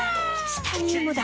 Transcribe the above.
チタニウムだ！